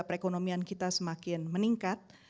perekonomian kita semakin meningkat